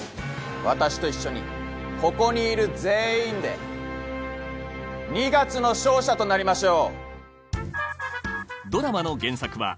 私と一緒にここにいる全員で二月の勝者となりましょう。